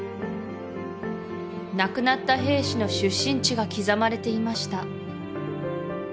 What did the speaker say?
亡くなった兵士の出身地が刻まれていました